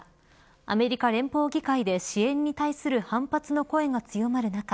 アメリカ連邦議会で支援に対する反発の声が強まる中